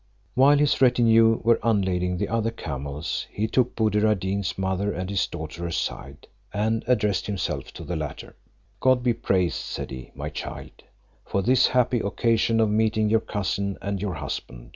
While his retinue were unlading the other camels, he took Buddir ad Deen's mother and his daughter aside; and addressed himself to the latter: "God be praised," said he, "my child, for this happy occasion of meeting your cousin and your husband!